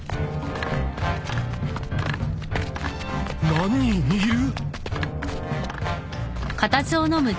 何人いる？